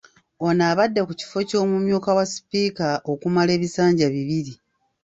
Ono abadde ku kifo ky’omumyuka wa Sipiika okumala ebisanja bibiri.